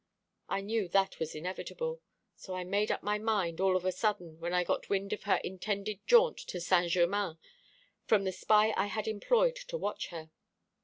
I knew that was inevitable, so I made up my mind, all of a sudden, when I got wind of her intended jaunt to Saint Germain, from the spy I had employed to watch her.